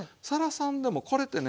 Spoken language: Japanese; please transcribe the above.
さんでもこれってね